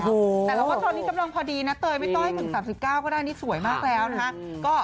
แต่เราก็ตอนนี้กำลังพอดีนะเตยไม่ต้องให้ถึง๓๙ก็ได้นี่สวยมากแล้วนะคะ